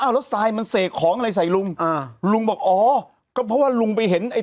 แล้วทรายมันเสกของอะไรใส่ลุงอ่าลุงลุงบอกอ๋อก็เพราะว่าลุงไปเห็นไอ้